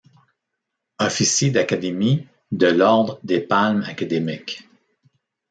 Officier d'académie de l'Ordre des Palmes académiques.